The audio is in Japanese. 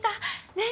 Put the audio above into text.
ねえ？